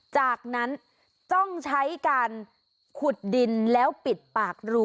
จากนั้นต้องใช้การขุดดินแล้วปิดปากรู